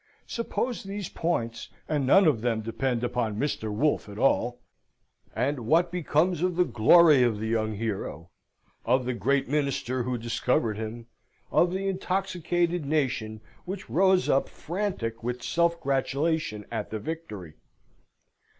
Suppose these points and none of them depend upon Mr. Wolfe at all and what becomes of the glory of the young hero, of the great minister who discovered him, of the intoxicated nation which rose up frantic with self gratulation at the victory?